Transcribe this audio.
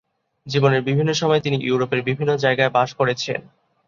জীবনের বিভিন্ন সময়ে তিনি ইউরোপের বিভিন্ন জায়গায় বাস করেছেন।